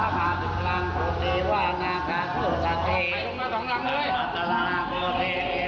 โถ่บ้าไปจักรพล